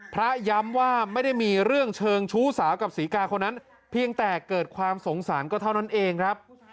ย้ำว่าไม่ได้มีเรื่องเชิงชู้สาวกับศรีกาคนนั้นเพียงแต่เกิดความสงสารก็เท่านั้นเองครับ